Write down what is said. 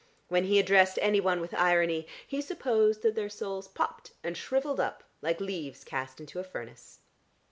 When he addressed anyone with irony, he supposed that their souls popped and shrivelled up like leaves cast into a furnace.